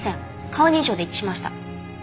顔認証で一致しました。